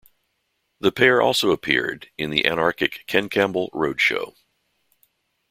The pair also appeared in the anarchic Ken Campbell Road Show.